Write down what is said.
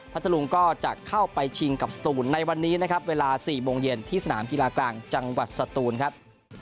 ทะลุงก็จะเข้าไปชิงกับสตูนในวันนี้นะครับเวลา๔โมงเย็นที่สนามกีฬากลางจังหวัดสตูนครับ